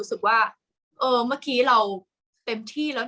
กากตัวทำอะไรบ้างอยู่ตรงนี้คนเดียว